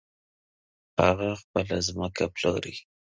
هغه خپله ځمکه پلوري .